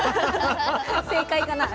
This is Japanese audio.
正解かな？